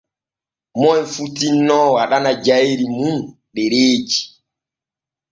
Moy fu tinno waɗana jayri mun ɗereeji.